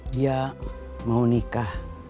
dia mau nikah sama yang keren